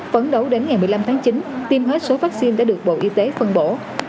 phấn đấu đến ngày một mươi năm tháng chín tiêm hết số vaccine đã được bộ y tế phân bổ